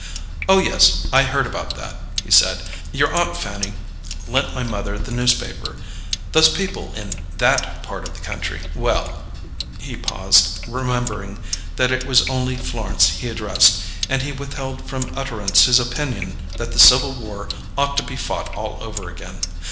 "Oh, yes. I heard about that," he said. "Your Aunt Fanny lent my mother the newspaper. Those people in that part of the country well " He paused, remembering that it was only Florence he addressed; and he withheld from utterance his opinion that the Civil War ought to be fought all over again.